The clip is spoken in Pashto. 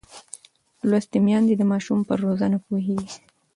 لوستې میندې د ماشوم پر روزنه پوهېږي.